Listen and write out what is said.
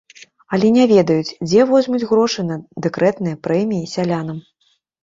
Але не ведаюць, дзе возьмуць грошы на дэкрэтныя прэміі сялянам.